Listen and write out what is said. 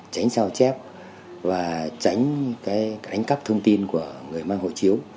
tránh sao chép và tránh cái đánh cắp thông tin của người mang hộ chiếu